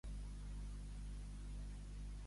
Podries encarregar-me menjar per endur al König?